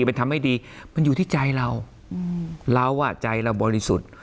มันทำให้ดีมันอยู่ที่ใจเราเราอ่ะใจเราบริสุทธิ์